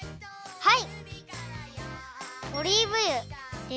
はい。